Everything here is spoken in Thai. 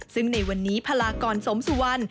ซึ่งในวันนี้พลากรสมสุวรรณ